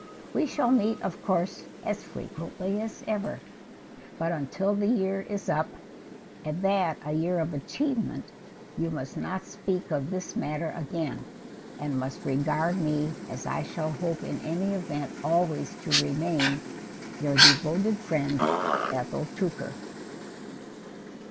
We shall meet, of course, as frequently as ever, but until the year is up, and that a year of achievement, you must not speak of the matter again, and must regard me as I shall hope in any event always to remain, Your devoted friend, ETHEL TOOKER.